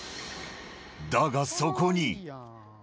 だが、そこに。